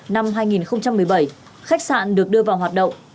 năm hai nghìn một mươi bảy khách sạn được đưa vào hoạt động